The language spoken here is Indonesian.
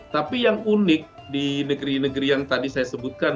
tapi yang unik di negeri negeri yang tadi saya sebutkan